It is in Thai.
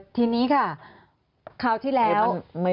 ทีนี้ค่ะคราวที่แล้ว